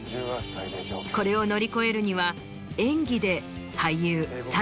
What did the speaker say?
これを乗り越えるには演技で。